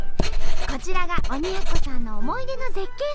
こちらが鬼奴さんの思い出の絶景